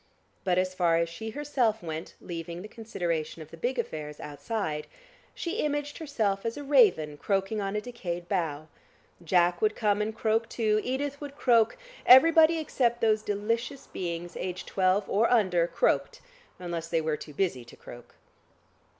But as far as she herself went (leaving the consideration of the big affairs outside) she imaged herself as a raven croaking on a decayed bough.... Jack would come and croak too; Edith would croak; everybody except those delicious beings aged twelve or under, croaked, unless they were too busy to croak.